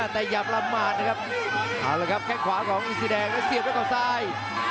แต่อย่าประมาทนะครับเอาละครับแค่งขวาของอินซีแดงแล้วเสียบด้วยเขาซ้าย